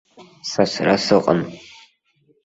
Сасра сыҟан.